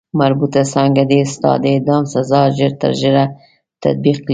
مربوطه څانګه دې ستا د اعدام سزا ژر تر ژره تطبیق کړي.